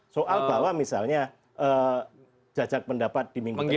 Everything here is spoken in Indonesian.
soal bahwa misalnya jajak pendapat di minggu terakhir